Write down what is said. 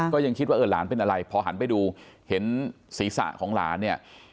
ก็ยังคิดว่าเออหลานเป็นอะไรพอหันไปดูเห็นศีรษะของหลานเนี่ย